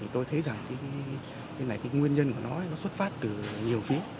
tôi thấy rằng cái này cái nguyên nhân của nó nó xuất phát từ nhiều thứ